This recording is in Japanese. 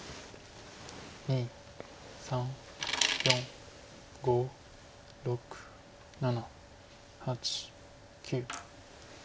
２３４５６７８９。